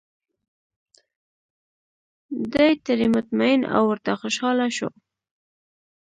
دای ترې مطمین او ورته خوشاله و.